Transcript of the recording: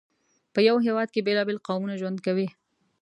په یو هېواد کې بېلابېل قومونه ژوند کوي.